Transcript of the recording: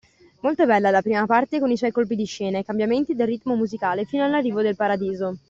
Molto bella la prima parte con i suoi colpi di scena e cambiamenti del ritmo musicale fino all’arrivo del paradiso.